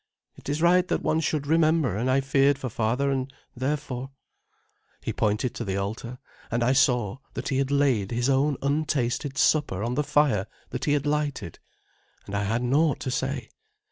"It is right that one should remember, and I feared for father, and therefore " He pointed to the altar, and I saw that he had laid his own untasted supper on the fire that he had lighted, and I had naught to say.